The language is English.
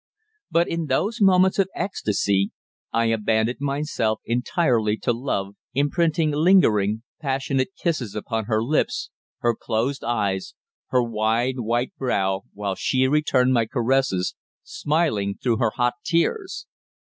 But in those moments of ecstasy I abandoned myself entirely to love, imprinting lingering, passionate kisses upon her lips, her closed eyes, her wide white brow, while she returned my caresses, smiling through her hot tears.